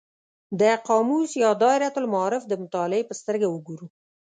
د قاموس یا دایرة المعارف د مطالعې په سترګه وګورو.